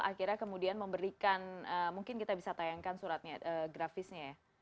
akhirnya kemudian memberikan mungkin kita bisa tayangkan suratnya grafisnya ya